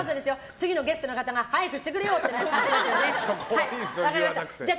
次のゲストの方が早くしてくれよってなってますよね。